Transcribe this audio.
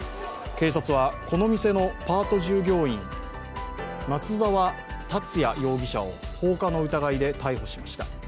警察は、この店のパート従業員、松沢達也容疑者を放火の疑いで逮捕しました。